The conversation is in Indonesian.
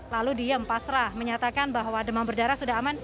lalu dia empasrah menyatakan bahwa demam berdarah sudah aman